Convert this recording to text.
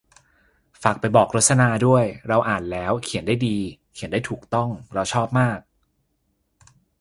ฝากไปบอกรสนาด้วย เราอ่านแล้ว เขียนได้ดี เขียนได้ถูกต้อง เราชอบมาก